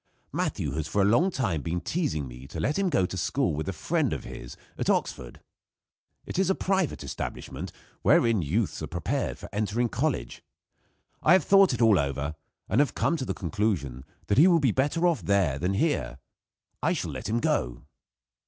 Matthew has for a long time been teasing me to let him go to school with a friend of his at Oxford. It is a private establishment, wherein youths are prepared for entering college. I have thought it all over, and have come to the conclusion that he will be better off there than here. I shall let him go."